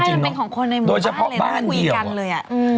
ใช่มันเป็นของคนในหมู่บ้านเลยไม่ได้คุยกันเลย